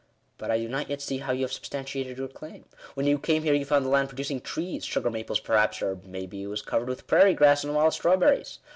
But I do not yet see how you have substantiated your claim. When you came here you found the land producing trees— sugar maples, perhaps; or may be it was covered with prairie grass and wild strawberries.